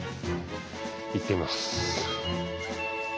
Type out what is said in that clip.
行ってみます。